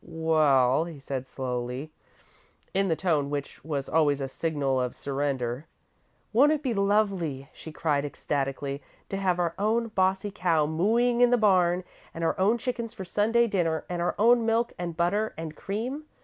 "Well," he began, slowly, in the tone which was always a signal of surrender. "Won't it be lovely," she cried ecstatically, "to have our own bossy cow mooing in the barn, and our own chickens for Sunday dinner, and our own milk, and butter, and cream?